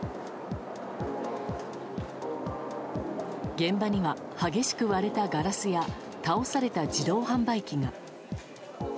現場には激しく割れたガラスや倒された自動販売機が。